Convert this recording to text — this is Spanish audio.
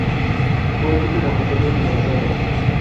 Fue el último episodio finalizado.